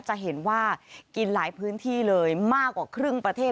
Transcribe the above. จะเห็นว่ากินหลายพื้นที่เลยมากกว่าครึ่งประเทศ